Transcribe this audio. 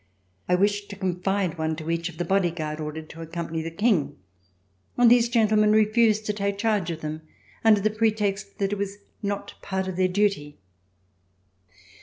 I wished to confide one to each of the Body Guard ordered to accompany the King, and these gentlemen refused to take charge of them, under the pretext that it was not part of their duty."